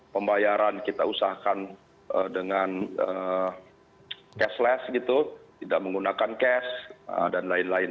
pembayaran kita usahakan dengan cashless gitu tidak menggunakan cash dan lain lain